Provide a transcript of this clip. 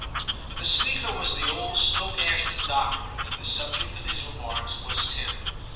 The speaker was the old Stoke Ashton doctor, and the subject of his remarks was Tim.